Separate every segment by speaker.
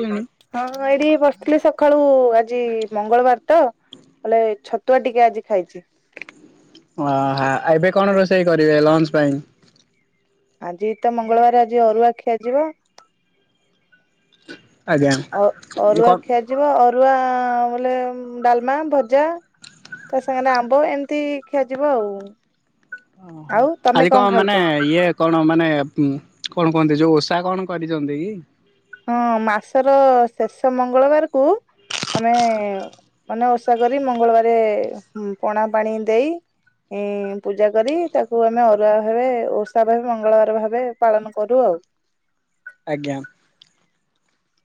Speaker 1: ଲେଣି।
Speaker 2: ହଁ ଏଇଠି ବସିଥିଲି ସଖାଳୁ ଆଜି ମଙ୍ଗଳବାର ତ। ହେଲେ, ଛତୁଆ ଟିକେ ଆଜି ଖାଇଚି।
Speaker 1: ଓହା, ଏବେ କଣ ରୋଷେଇ କରିବେ ଲଞ୍ଚ୍ ପାଇଁ?
Speaker 2: ଆଜି ତ ମଙ୍ଗଳବାର ଆଜି ଅରୁଆ ଖିଆ ଯିବ।
Speaker 1: ଆଜ୍ଞା
Speaker 2: ଅ
Speaker 1: ଏ
Speaker 2: ଅରୁଆ
Speaker 1: କଣ
Speaker 2: ଖିଆଯିବଅରୁଆ ବଲେ ଡାଲ୍ମା ଭଜା। ତ ସେମାନେ ଆମ୍ବ ଏମିତି ଖିଆଯିବ ଆଉ।
Speaker 1: ଓହୋ,
Speaker 2: ଆଉ ତମେ
Speaker 1: ଆଜି
Speaker 2: କଣ
Speaker 1: କଁ
Speaker 2: ଖାଇଛ?
Speaker 1: ମାନେ ଇଏ କଣ ମାନେ, କଣ କୁହନ୍ତି ଯୋଉ ଓଷା କଣ କରିଚନ୍ତି କି?
Speaker 2: ହଁ, ମାସର ଶେଷ ମଙ୍ଗଳବାର କୁ ଆମେ-ଏ ମାନେ ଓଷା କରି ମଙ୍ଗଳବାରେ ପଣା ପାଣି ଦେଇ ଉଁ ପୂଜା କରି ତାକୁ ଆମେ ଅରୁଆ ଭାବେ ଓଷା ଭାବେ ମଙ୍ଗଳବାର ଭାବେ ପାଳନ କରୁ ଆଉ।
Speaker 1: ଆଜ୍ଞା,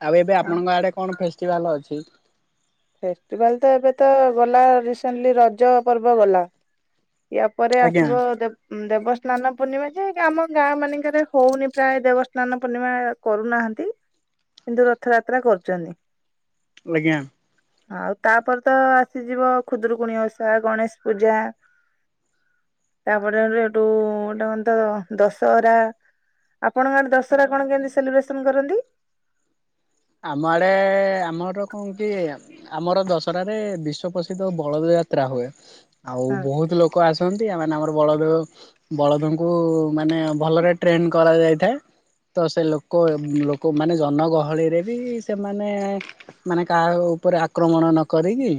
Speaker 1: ଆଉ ଏବେ ଆପଣଙ୍କ ଆଡେ କଣ ଫେଷ୍ଟିଭାଲ ଅଛି?
Speaker 2: ଫେଷ୍ଟିଭାଲ୍ ତ ଏବେ ତ ଗଲା ରିସେଣ୍ଟଲି ରଜ ପର୍ବ ଗଲା। ୟା ପରେ
Speaker 1: ଆଜ୍ଞା
Speaker 2: ଆସିବ ଦେ ଦେବସ୍ନାନ ପୂର୍ଣ୍ଣିମା ଯେ ଆମ ଗାଁ ମାନଙ୍କରେ ହୋଉନି ପ୍ରାୟ ଦେବସ୍ନାନ ପୂର୍ଣ୍ଣିମା। କରୁନାହାନ୍ତି, କିନ୍ତୁ ରଥଯାତ୍ରା କରୁଚନ୍ତି।
Speaker 1: ଆଜ୍ଞା।
Speaker 2: ହଁ, ଆଉ ତାପରେ ତ ଆସିଯିବ ଖୁଦୁରୁକୁଣୀ ଓଷା ଗଣେଶ ପୂଜା ତାପରେ ହେଠୁ ଟା ତ ଦଶହରା ଆପଣଙ୍କ ଆଡ଼େ ଦଶହରା କଣ କେମିତି ସେଲିବ୍ରେସନ୍‌ କରନ୍ତି?
Speaker 1: ଆମ ଆଡେ ଆମର କଣ କି ଆମର ଦଶହରା ରେ ବିଶ୍ୱ ପ୍ରସିଦ୍ଧ ବଳଦ ଯାତ୍ରା ହୁଏ, ଆଉ
Speaker 2: ହଁ
Speaker 1: ବହୁତ ଲୋ ଲୋକ ଆସନ୍ତି ଏ ମାନଙ୍କର ବଳଦ ହୁଏ ବଳଦଙ୍କୁ ମାନେ ଭଲରେ ଟ୍ରେନ୍ କରାଯାଇଥାଏ। ତ ସେ ଲୋକ ଲୋକ ମାନେ ଜନଗହଳିରେ ବି ସେମାନେ ମାନେ କାହା ଉପରେ ଆକ୍ରମଣ ନ କରିକି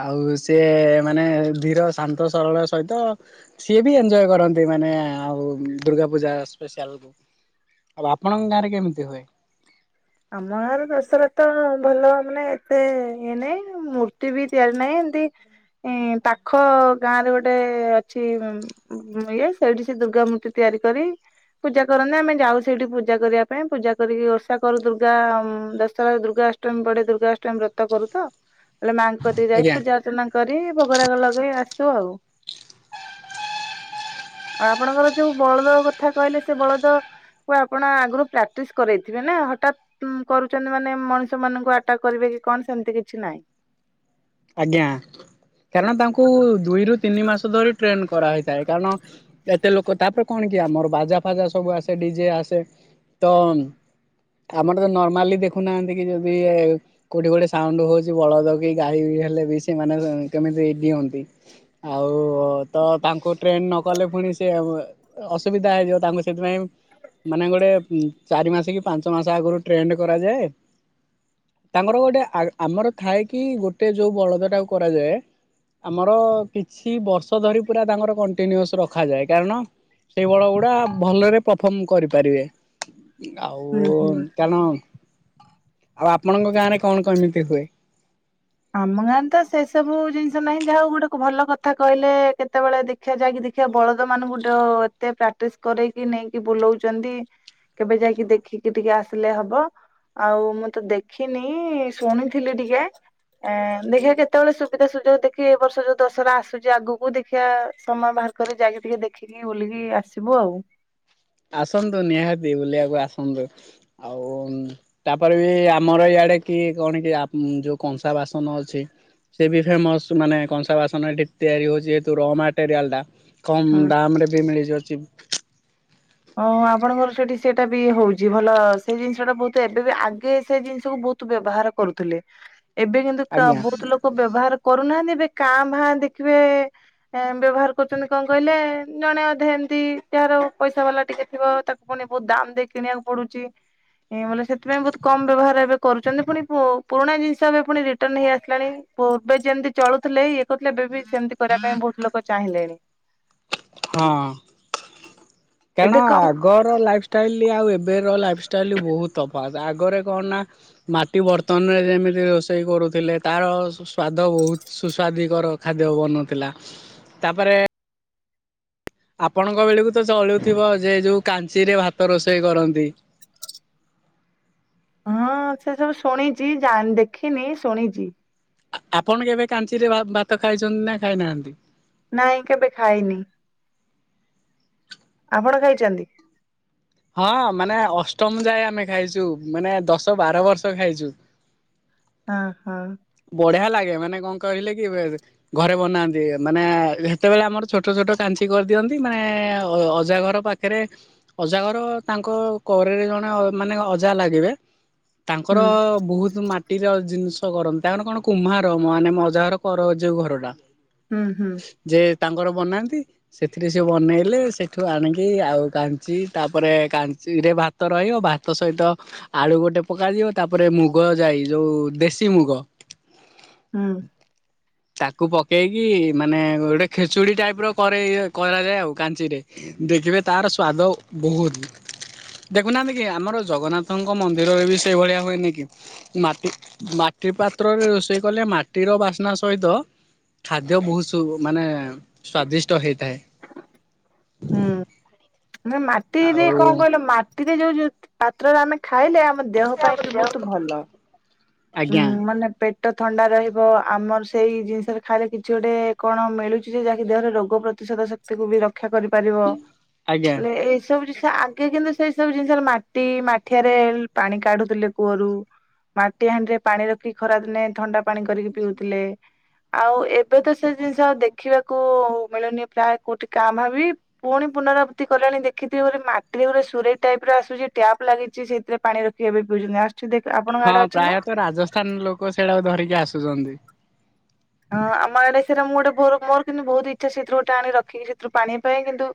Speaker 1: ଆଉ ସେ ମାନେ ଧୀର ଶାନ୍ତ ସରଳ ସହିତ ସିଏ ବି ଏନ୍ଜୟ କରନ୍ତି ମାନେ ଆଉ ଦୁର୍ଗା ପୂଜା ସ୍ପେସିଆଲ କୁ ଆଉ ଆପଣଙ୍କ ଗାଁରେ କେମିତି ହୁଏ?
Speaker 2: ଆମ ଗାଁରେ ଦଶରା ତ ଭଲ ମାନେ ଏତେ ଇଏ ନାଇଁ ମୂର୍ତ୍ତି ବି ତିଆରି ନାହିଁ ଏମତି ଇଁ ପାଖ ଗାଁରେ ଗୋଟେ ଅଛି ଇଏ ସେଇଠି ସେ ଦୁର୍ଗା ମୂର୍ତ୍ତି ତିଆରି କରି ପୂଜା କରନ୍ତି ଆମେ ଯାଉ ସେଇଠି ପୂଜା କରିବା ପାଇଁ ପୂଜା କରିକି ଓଷା କରୁ ଦୁର୍ଗା ଦଶହରା ଦୁର୍ଗାଷ୍ଟମୀ ବଡେ ଦୁର୍ଗା ଅଷ୍ଟମୀ ବ୍ରତ କରୁ ତ ହେଲେ ମାଙ୍କ କତି ଯାଇ
Speaker 1: ଆଜ୍ଞା।
Speaker 2: ପୂଜା ଅର୍ଚ୍ଚନା କରି ଭୋଗରାାଗ ଲଗେଇ ଆସୁ ଆଉ। ଆଉ ଆପଣଙ୍କର ଯୋଉ ବଳଦ କଥା କହିଲେ ସେ ବଳଦ ତ ଆପଣ ଆଗରୁ ପ୍ରାକ୍ଟିସ କରାଇଥିବେ ନା ହ ତ କରୁଚନ୍ତି ମାନେ ମଣିଷ ମାନଙ୍କୁ ଆଟାକ୍ କରିବେ କି କଣ ସେମତି କିଛି ନାହିଁ।
Speaker 1: ଆଜ୍ଞା, କାରଣ ତାଙ୍କୁ ଦୁଇରୁୁ ତିନି ମାସ ଧରି ଟ୍ରେନ କରାହେଇଥାଏ କାରଣ ଏତେ ଲୋକ ତାପରେ କଣ କି ଆମର ବାଜା ଫାଜା ସବୁ ଆସେ ଡିଜେ ଆସେ ତ ଆମର ତ ନର୍ମାଲି ଦେଖୁନାହାନ୍ତି କି ଯଦି ଏ କୋଉଠି ଗୋଟେ ସାଉଣ୍ଡ ହୋଉଚି ବଳଦ କି ଗାଈ ହେଲେ ବି ସେମାନେ କେମିତି ଦିଅନ୍ତି। ଆଉ ତ ତାଙ୍କୁ ଟ୍ରେନ୍ ନକଲେ ପୁଣି ସେ ଉ ଅସୁବିଧା ହେଇ ଯାଏ ତାଙ୍କୁ ସେଥିପାଇଁ ମାନେ ଗୋଟେ ଏ ଚାରି ମାସ କି ପାଞ୍ଚ ମାସ ଆଗରୁ ଟ୍ରେଣ୍ଡ କରାଯାଏ ତାଙ୍କର ଗୋଟେ ଆମର ଥାଏ କି ଗୋଟେ ଯୋଉ ବଳଦଟା କୁ କରାଯାଏ ଆମର କିଛି ବର୍ଷ ଧରି ପୁରା ତାଙ୍କର କଣ୍ଟିନ୍ୟୁସ୍ ରଖାଯାଏ କାରଣ ସେଇ ବଳଦ ଗୁଡା ଭଲରେ ପରଫର୍ମ କରିପାରିବେ। ଆଉ
Speaker 2: ହୁଁ ହୁଁ
Speaker 1: କାରଣ ଆଉ ଆପଣଙ୍କ ଗାଁରେ କଣ କେମିତି ହୁଏ?
Speaker 2: ଆମ ଗାଁରେ ତ ସେ ସବୁ ଜିନିଷ ନାହିଁ ଯାହା ହଉ ଗୋଟେ ଭଲ କଥା କହିଲେ କେତେବେଳେ ଦେ ଖିବା ଯାଇକି ଦେଖିବା ବଳଦ ମାନଙ୍କୁ ଡ ଏତେ ପ୍ରାକ୍ଟିସ୍ କରେଇକି ନେଇକି ବୁଲୋଉଛନ୍ତି। କେବେ ଯାଇକି ଦେଖିକି ଟିକେ ଆସିଲେ ହବ। ଆଉ ମୁଁ ତ ଦେଖିନି ଶୁଣିଥିଲି ଟିକେ। ଏଁ ଦେଖିବା କେତେବେଳେ ସୁବିଧା ସୁଯୋଗ ଦେଖି ଏ ବର୍ଷ ଯୋଉ ଦଶହରା ଆସୁଛି ଆଗକୁ ଦେଖିବା ସମୟ ବାହାର କରି ଯାଇକି ଟିକେ ଦେଖିକି ବୁଲିକି ଆସିବୁ ଆଉ।
Speaker 1: ଆସନ୍ତୁ ନିହାତି ବୁଲିବାକୁ ଆସନ୍ତୁ ଆଉ ତାପରେ ବି ଆମର ଇଆଡେ କି କଣ କି ଆମ୍ ଯୋଉ କଂସା ବାସନ ଅଛି। ସେ ବି ଫେମସ୍ ମାନେ କଂସା ବାସନ ଏଠି ତିଆରି ହଉଛି ଯେହେତୁ ର ମାଟେରିଆଲ୍ ଟା। କମ୍
Speaker 2: ହଁ
Speaker 1: ଦାମ୍ ରେ ବି ମିଳିଯାଉଚି।
Speaker 2: ଓ ହଁ ଆପଣଙ୍କର ସେଠି ସେଟା ବି ହୋଉଛି ଭଲ ସେ ଜିନିଷ ଟା ବହୁତ ଏବେ ବି ଆଗେ ସେ ଜିନିଷକୁ ବହୁ ତୁ ବ୍ୟବହାର କରୁଥିଲେ ଏବେ କିନ୍ତୁ କା
Speaker 1: ଆଜ୍ଞା
Speaker 2: ବୋ ତୁ ଲୋକ ବ୍ୟବହାର କରୁନାହାନ୍ତି ଏବେ କାଁ ଭାଁ ଦେଖିବେ ବ୍ୟବହାର କରୁଛନ୍ତି କଣ କହିଲେ ଜଣେ ଅଧେ ଏମତି ଯାହାର ପଇସା ବାଲା ଟିକେ ଥିବ ତାକୁ ପୁଣି ବହୁତ୍ ଦାମ ଦେଇ କିଣିବାକୁ ପଡୁଚି। ଏ ବୋଲେ ସେଥିପାଇଁ ବହୁତ୍ କମ ବ୍ୟବହାର ଏବେ କରୁଛନ୍ତି ପୁଣି ପୁ ପୁରୁଣା ଜିନିଷ ଏବେ ପୁଣି ରିଟର୍ନ ହେଇ ଆସିଲାଣି। ପୂର୍ବେ ଯେମିତି ଚଳୁଥିଲେ ଇଏ କହୁଥିଲେ ଏବେ ବି ସେମିତି କରିବା ପାଇଁ ବହୁତ୍ ଲୋକ ଚାହିଁଲେଣି।
Speaker 1: ହଁ କାରଣ
Speaker 2: ଏବେ କଣ
Speaker 1: ଆଗର ଲାଇଫଷ୍ଟାଇଲ୍ ଆଉ ଏବେର ଲାଇଫ ଷ୍ଟାଇଲ୍ ବହୁତ୍ ତଫାତ୍ ଆଗରେ କଣ ନା ମାଟି ବର୍ତ୍ତନରେ ଯେମିତି ରୋଷେଇ କରୁଥିଲେ ତାର ସ୍ଵାଦ ବହୁତ୍ ସୁସ୍ୱାଦିକର ଖାଦ୍ୟ ବନୁଥିଲା ତାପରେ ଆପଣଙ୍କ ବେଳୁକୁ ତ ଚଳୁଥିବ ଯେ ଯୋଉ କାଞ୍ଚି ରେ ଭାତ ରୋଷେଇ କରନ୍ତି।
Speaker 2: ହଁ ସେ ସବୁ ଶୁଣିଛି ଯା ଦେଖିନି ଶୁଣିଛି।
Speaker 1: ଆପଣ କେବେ କାଞ୍ଚିରେ ଭା ଭାତ ଖାଇଛନ୍ତି ନା ଖାଇନାହାନ୍ତି?
Speaker 2: ନାଇଁ କେବେ ଖାଇନି। ଆପଣ ଖାଇଛନ୍ତି?
Speaker 1: ହଁ ମାନେ ଅଷ୍ଟମ ଯାଏ ଆମେ ଖାଇଛୁ ମାନେ ଦଶ ବାର ବର୍ଷ ଖାଇଛୁ।
Speaker 2: ହଁ ହଁ।
Speaker 1: ବଢ୍ୟା ଲାଗେ ମାନେ କଣ କହିଲେ କି ଘରେ ବନାନ୍ତି ମାନେ ହେତେବେଳେ ଆମର ଛୋଟ ଛୋଟ କାଞ୍ଚି କରିଦିଅନ୍ତି ମାନେ ଅଅଜା ଘର ପା [unintelligible] ଅଜାଘର ତାଙ୍କ କରେରେ ଜଣେ ମାନେ ଅଜା ଲାଗିବେ।
Speaker 2: ହୁଁ
Speaker 1: ତାଙ୍କର ବୋହୁତ୍ ମାଟିର ଜିନିଷ କରନ୍ତି। ତାଙ୍କର କଣ କୁମ୍ହାର ମାନେ ମୋ ଅଜାଘର କର ଯୋଉ ଘର ଟା।
Speaker 2: ହୁଁ ହୁଁ।
Speaker 1: ଯେ ତାଙ୍କର ବନାନ୍ତି ସେଥିରେ ସେ ବନେଇଲେ ସେଠୁ ଆଣିକି ଆଉ କାଞ୍ଚି ତାପରେ କାଞ୍ଚିରେ ଭା ଭାତ ରହିବ ଭାତ ସହିତ ଆଳୁ ଗୋଟେ ପକାଯିବ ତାପରେ ମୁଗ ଜାଇ ଯୋଉ ଦେଶୀ ମୁଗ।
Speaker 2: ହୁଁ।
Speaker 1: ତାକୁ ପକେଇକି ମାନେ ଗୋଟେ ଖେଚୁଡି ଟାଇପ୍ ର କରେ କରାଯାଏ ଆଉ କାଞ୍ଚିରେ। ଦେଖିବେ ତାର ସ୍ଵାଦ ବୋହୁତ୍। ଦେଖୁନାହାନ୍ତି କି ଆମର ଜଗନ୍ନାଥଙ୍କ ମନ୍ଦିରରେ ବି ସେଇଭଳିଆ ହୁଏନି କି ମାଟି ମାଟି ପାତ୍ରରେ ରୋଷେଇ କଲେ ମାଟିର ବାସ୍ନା ସହିତ ଖାଦ୍ୟ ବହୁସୁ ମାନେ ସ୍ଵାଦିଷ୍ଟ ହେଇଥାଏ।
Speaker 2: ହୁଁ। ମାଟିରେ
Speaker 1: ଆଉ
Speaker 2: କଣ କହିଲ ମାଟିରେ ଯୋଉ ପାତ୍ରରେ ଆମେ ଖାଇଲେ ଆ ମ ଦେହ ପାଇଁ ବି ବହୁତୁ ଭଲ, ଉଁ
Speaker 1: ଆଜ୍ଞା
Speaker 2: ମାନେ ପେ ଟ ଥଣ୍ଡା ରହିବ ଆମର ସେଇ ଜିନିଷରେ ଖାଇଲେ କିଛି ଗୋଟେ କଣ ମିଳୁଛି ଯେ ଯାହାକି ଦେହରେ ରୋଗ ପ୍ରତିଶୋଧ ତା କୁ ବି ରକ୍ଷା କରିପାରିବ
Speaker 1: ଆଜ୍ଞା।
Speaker 2: [unintelligible] ଏ ସବୁ ଜିନିଷ ଆଗେ କିନ୍ତୁ ସେଇ ସବୁ ଜିନିଷରେ ମାଟି ମାଠିଆରେ ପାଣି କାଢୁଥିଲେ କୂଅରୁ। ମାଟି ହାଣ୍ଡିରେ ପାଣି ରଖିକି ଖରା ଦିନେ ଥଣ୍ଡା ପାଣି କରିକି ପିଉଥିଲେ, ଆଉ ଏ ଏବେ ତ ସେ ଜିନିଷ ଆଉ ଦେଖିବାକୁ ମିଳୁନି ପ୍ରାୟ କୋଉଠି କାଁଭା ବି। ପୁଣି ପୁନରାବୃତ୍ତି କଲେଣି ଦେଖିଥିବେ ମାଟିରେ ଗୋଟେ ସୁରେଇ ଟାଇପ୍ ର ଆସୁଚି ଟ୍ୟାପ୍ ଲାଗିଚି ସେଇଥିରେ ପାଣି ରଖି ବେ ପିଉଚନ୍ତି [unintelligible] ଦେଖ ଆପଣଙ୍କ
Speaker 1: ହଁ
Speaker 2: ଆଡେ ଅଛି ନା?
Speaker 1: ପ୍ରାୟତଃ ରାଜସ୍ଥାନ୍ ଲୋକ ସେଇଡାକୁ ଧରିକି ଆସୁଚନ୍ତି।
Speaker 2: ହଁ ଆମ ଆଡେ ସେଟା ମୁଁ ଗୋଟେ ମୋର କିନ୍ତୁ ବହୁତ ଇଚ୍ଛା ସେଥିରୁ ଗୋଟେ ଆଣି ରଖିକି ସେଥିରୁ ପାଣି ପାଇଁ କିନ୍ତୁ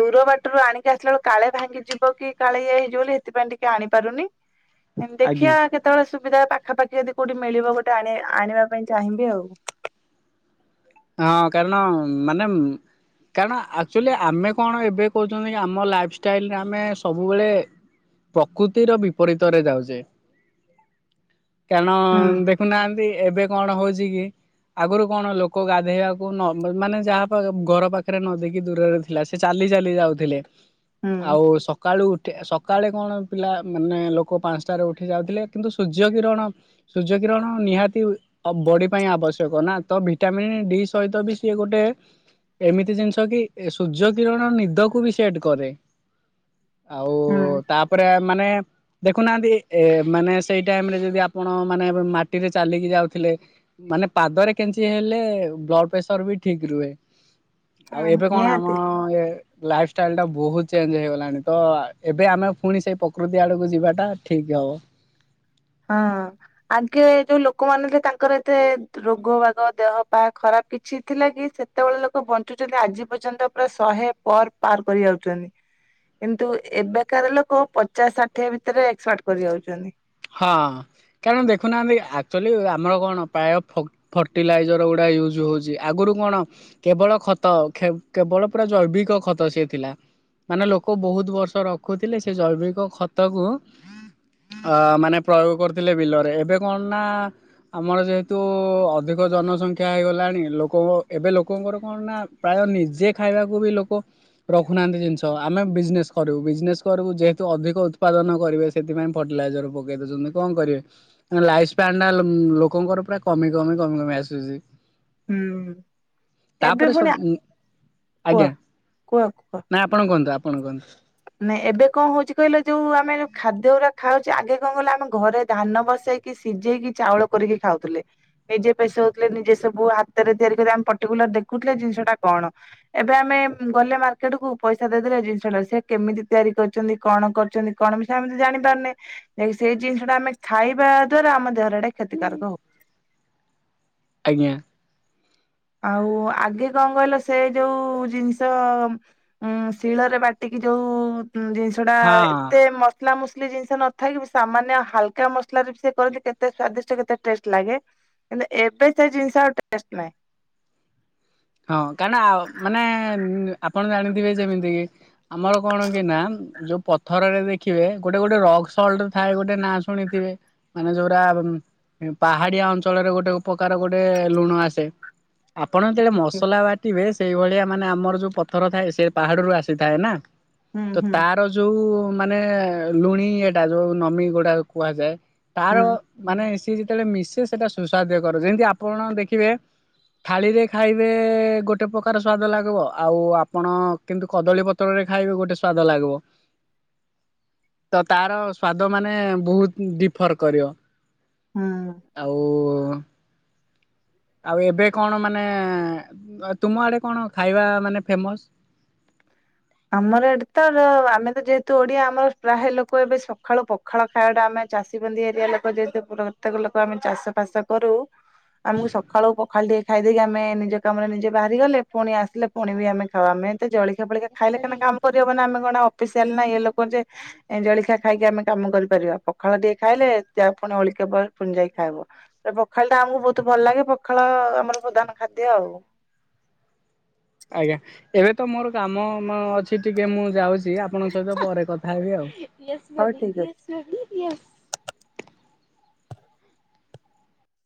Speaker 2: ଦୂର ବାଟରୁ ଆଣିକି ଆସିଲା ବେଳେ କାଳେ ଭାଙ୍ଗିଯିବ କି କାଳେ ଇଏ ହେଇଯିବ ବୋଲି ସେଥିପାଇଁ ଟିକେ ଆଣିପାରୁନି। ହଁଁ
Speaker 1: ଆଜ୍ଞା।
Speaker 2: ଦେଖିବା କେତବଳେ ସୁବିଧା ପାଖାପାଖି ଯଦି କୋଉଠି ମିଳିବ ଗୋଟେ ଆଣି ଆଣିବା ପାଇଁ ଚାହିଁବି ଆଉ।
Speaker 1: ହଁ କାରଣ ମାନେ କାରଣ ଆକ୍ଚୁଆଲି ଆମେ କଣ ଏବେ କହୁଚନ୍ତି କି ଆମ ଲାଇଫଷ୍ଟାଇଲ୍ ରେ ଆମେ ସବୁବେଳେ ପ୍ରକୃତିର ବିପରୀତରେ ଯାଉଚେ। କାରଣ
Speaker 2: ହୁଁ
Speaker 1: ଦେଖୁନାହାନ୍ତି ଏବେ କଣ ହଉଛି କି ଆଗରୁ କଣ ଲୋ କ ଗାଧେଇବାକୁ ନ ମାନେ ଯାହା ଘର ପାଖେରେ ନଦୀ କି ଦୂରରେ ଥିଲା ସେ ଚାଲି-ଚାଲି ଯାଉଥିଲେ।
Speaker 2: ହୁଁ
Speaker 1: ଆଉ ସ ସକାଳୁ ଉଠି ସକାଳେ କଣ ପିଲା ମାନେ ଲୋକ ପାଞ୍ଚଟାରେ ଉଠି ଯାଉଥିଲେ, କିନ୍ତୁ ସୂର୍ଯ୍ୟ କିରଣ ସୂର୍ଯ୍ୟ କିରଣ ନିହାତି ବଡି ପାଇଁ ଆବଶ୍ୟକ ନା ତ ଭି ଭିଟାମିନ୍ ଡି ସହିତ ବି ସିଏ ଗୋଟେ ଏମିତି ଜିନିଷ କି ସୂର୍ଯ୍ୟ କିରଣ ନିଦକୁ ବି [unintelligible] କରେ। ଆଉ
Speaker 2: ହୁଁ
Speaker 1: ତାପରେ ମାନେ ଦେଖୁନାହାନ୍ତି ଏ ମାନେ ସେଇ ଟାଇମ୍ ରେ ଯଦି ଆପଣ ମାନେ ମାଟିରେ ଚାଲିକି ଯାଉଥିଲେ। ମାନେ ପାଦରେ କେ [unintelligible] ହେଲେ ବ୍ଲଡ୍ ପ୍ରେସର୍ ବି ଠିକ ରୁହେ, ଆଉ
Speaker 2: ହୁଁ
Speaker 1: ଏବେ କଣ
Speaker 2: ନିହାତି।
Speaker 1: ଆମ ଏ ଲାଇଫଷ୍ଟାଇଲ୍ ଟା ବହୁତ ଚେଞ୍ଜ ହେଇଗଲାଣି, ତ ଏବେ ଆମେ ଫୁଣି ସେଇ ପ୍ରକୃତି ଆଡକୁ ଯିବାଟା ଠିକ୍ ହବ।
Speaker 2: ହଁ ଆଗେ ଯୋଉ ଲୋକମାନେ ଥିଲେ ତାଙ୍କର ଏତେ ରୋଗ ବାଗ ଦେହ ପା ଖରାପ୍ କିଛି ଥିଲା କି, ସେତବଳ ଲୋକ ବଞ୍ଚୁଚନ୍ତି ଆଜି ପର୍ଯ୍ୟନ୍ତ ପୁରା ଶହେ ପର୍ ପାର୍ କରି ଯାଉଚନ୍ତି। କିନ୍ତୁ ଏବେକାର ଲୋକ ପଚାଶ୍ ଷାଠିଏ ଭିତେରେ ଏକ୍ସପାର୍ଟ କରି ଯାଉଚନ୍ତି।
Speaker 1: ହଁ କାରଣ ଦେଖୁନାହାନ୍ତି, ଆକ୍ଚୁଆଲି ଆମର କଣ ପ୍ରାୟ ଫର୍ଟିଲାଇଜର୍ ଗୁଡ଼ା ୟୁଜ୍ ହେଉଚି, ଆଗୁରୁ କଣ କେବଳ ଖତ, କେବଳ ପୁରା ଜୈବିକ ଖତ ସିଏ ଥିଲା। ମାନେ ଲୋକ ବହୁତ୍ ବର୍ଷ ରଖୁଥିଲେ ସେ ଜୈବିକ ଖତ କୁ ଅ ମାନେ ପ୍ରୟୋଗ କରିୁଥିଲେ ବିଲରେ, ଏବେ କଣ ନା ଆମର ଯେହେତୁ ଅଧିକ ଜନସଂଖ୍ୟା ହେଇଗଲାଣି, ଲୋକ ଏବେ ଲୋକଙ୍କର କଣ ନା ପ୍ରାୟ ନିଜେ ଖାଇବାକୁ ବି ଲୋକ ରଖୁନାହାନ୍ତି ଜିନିଷ ଆମେ ବିଜନେସ୍ କରିବୁ ବିଜନେସ୍ କରିବୁ ଯେହେତୁ ଅଧିକ ଉତ୍ପାଦନ କରିବେ ସେଥିପାଇଁ ଫ ଟିଲାଇଜର୍ ପକେଇ ଦେଉଚନ୍ତି, କଣ କରିବେ? ଲାଇସ୍ ପ୍ୟାଣ୍ଡାଲ ଉଁ ଲୋକଙ୍କର ପୁରା କମି କମି କମି କମି ଆସୁଚି।
Speaker 2: ହୁଁ ଏବେ
Speaker 1: ତାପରେ ସବୁ
Speaker 2: ଫୁଣି ଆ
Speaker 1: ଆଜ୍ଞା ନା ଆପଣ କୁଅନ୍ତୁ ଆପଣ କୁଅନ୍ତୁ।
Speaker 2: ନା ଏବେ କଣ ହଉଚି କଇଲ ଯୋଉ ଆମେ ଖାଦ୍ୟଉରା ଖାଉଚେ ଆଗେ କଣ କଇଲ ଆମେ ଘରେ ଧାନ ବସେଇ କି ସିଜେଇକି ଚାଉଳ କରିକି ଖାଉଥୁଲେ। ନିଜେ ପେଶଉଥିଲେ ନିଜେ ସବୁ ହାତରେ ତିଆରି କରି ଆମେ ପର୍ଟିକୁଲାର ଦେଖୁଥିଲେ ଜିନିଷଟା କଣ ଏବେ ଆମେ ଗଲେ ମାର୍କେଟ କୁ ପଇସା ଦେଇଦେଲେ ଜିନିଷ ଟା ସେ କେମିତି ତିଆରି କରୁଚନ୍ତି କଣ କରୁଚନ୍ତି କଣ ମିଶା ଆମେତ ଜାଣି ପାରୁନେ। ଜା କି ସେଇ ଜିନିଷ ଟା ଆମେ ଖାଇବା ଦ୍ଵାରା ଆମ ଦେହରେ ହେଟା କ୍ଷତିକାରକ ହଉ
Speaker 1: ଆଜ୍ଞା।
Speaker 2: ଆଉ ଆଗେ କଣ କଇଲ ସେ ଯୋଉ ଜିନିଷ ଉଁ ଶିଳରେ ବାଟିକି ଯୋଉ ଜିନିଷ ଟା
Speaker 1: ହଁ
Speaker 2: ଏତେ ମ ମସଲା ମୁସଲି ଜିନିଷ ନ ଥାଇ କି ସାମାନ୍ୟ ହାଲକା ମସଲାରେ ବି ସେ କରନ୍ତି କେତେ ସ୍ଵାଦିଷ୍ଟ କେତେ ଟେଷ୍ଟ ଲାଗେ। ହେଲେ ଏବେ ସେ ଜିନିଷ ଆଉ ଟେଷ୍ଟ ନାହିଁ।
Speaker 1: ହଁ କାରଣ ଆଉ ମାନେ ଆପଣ ଜାଣିଥିବେ ଯେମିତି କି ଆମର କଣ କି ନା ଯୋଉ ପଥରରେ ଦେଖିବେ ଗୋଟେ ଗୋଟେ ରକ୍ ସଲ୍ଟ ଥାଏ ଗୋଟେ ନା ଶୁଣିଥିବେ। ମାନେ ଯୋଉରା ପାହାଡିଆ ଅଞ୍ଚଳରେ ଗୋଟେ ଉପକାର ଗୋଟେ ଲୁଣ ଆସେ। ଆପଣ ଯେତବେଳେ ମସ୍ ଲା ବାଟିବେ ସେଇ ଭଳିଆ ମାନେ ଆମର ଯୋଉ ପଥର ଥାଏ ସେ ପାହାଡରୁୁ ଆସିଥାଏ ନା
Speaker 2: ହୁଁ
Speaker 1: ତ
Speaker 2: ହୁଁ
Speaker 1: ତା ର ଯୋଉ ମାନେ ଲୁଣି ଇଏଟା ଯୋଉ ନମି ଗୁଡା କୁହାଯାଏ ତାର
Speaker 2: ହୁଁ।
Speaker 1: ମାନେ ସିଏ ଯେତବେଳେ ମିଶେ ସେଟା ସୁସ୍ଵାଦ କର ଯେମିତି ଆପଣ ଦେଖିବେ ଥାଳିରେ ଖାଇ ବେ ଗୋଟେ ପ୍ରକାର ସ୍ଵାଦ ଲାଗିବ ଆଉ ଆପଣ କିନ୍ତୁ କଦଳୀ ପତ୍ରରେ ଖାଇବେ ଗୋଟେ ସ୍ଵାଦ ଲାଗିବ।
Speaker 2: [inaudible]
Speaker 1: ତ ତାର ସ୍ଵାଦ ମାନେ ବହୁତ୍ ଡି଼ଫର୍ କରିବ।
Speaker 2: ହଁ।
Speaker 1: ଆଉ ଆଉ ଏବେ କଣ ମାନେ ତୁମ ଆଡେ କଣ ଖାଇବା ମାନେ ଫେମସ୍?
Speaker 2: ଆମର ଏଠି ତ ଆମେ ତ ଯେହେତୁ ଓଡିଆ ଆମର ପ୍ରାୟେ ଲୋକ ଏବେ ସକାଳୁ ପ ଖାଳ ଖାଇବାଟା ଆମେ ଚାଷୀ ବନ୍ଦୀ ଏରିଆ ଲୋକ ଯେହେତୁ ପ୍ରତ୍ୟେକ ଲୋକ ଆମେ ଚାଷ ଫାସ କରୁ। ଆମୁକୁ ସଖାଳୁ ପଖାଳ ଟିକେ ଖାଇଦେଇକି ଆମେ ନିଜ କାମରେ ନିଜେ ବାହାରି ଗଲେ ଫୁଣି ଆସିଲେ ପୁଣି ବି ଆମେ ଖାଉ ଆମେ ଏତେ ଜଳିଖିଆ ଫଳିକିଆ ଖାଇଲେ କେନା କାମ କରିହବନା ଆମେ କଣ ଅଫିସିଆଲ ନା ଇଏ ଲୋକ ଯେ ଜଳଖିଆ ଖାଇକି ଆମେ କାମ କରିପାରିବା ପଖାଳ ଟିକେ ଖାଇଲେ ଜା ପୁଣି ଓଳିକା ପରେ ଫୁଣି ଯାଇକି ଖାଇବୁ ଜା ପ ଖାଳ ଟା ଆମୁକୁ ବହୁତ ଭଲ ଲାଗେ ପଖାଳ ଆମର ପ୍ରଧାନ ଖାଦ୍ୟ ଆଉ।
Speaker 1: ଆଜ୍ଞା ଏବେ ତ ମୋର କାମ ମ ଅଛି ଟିକେ ମୁଁ ଯାଉଚି ଆପଣଙ୍କ ସହିତ ପରେ କଥା ହେବି ଆଉ ୟେସ୍
Speaker 2: ହଉ
Speaker 1: ବେବି
Speaker 2: ଠିକ ଅଛି।
Speaker 1: Yes baby Yes.